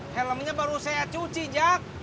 helmnya baru saya cuci jak